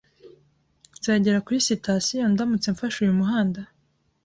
Nzagera kuri sitasiyo ndamutse mfashe uyu muhanda?